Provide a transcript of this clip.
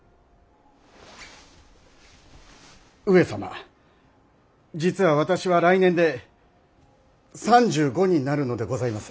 上様実は私は来年で３５になるのでございます！